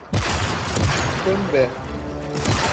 Cambé